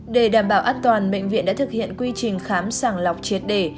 để đảm bảo an toàn bệnh viện đã thực hiện quy trình khám sàng lọc triệt đề